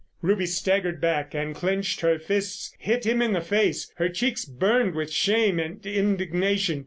Ruby staggered back, and clenching her fists, hit him in the face. Her cheeks burned with shame and indignation.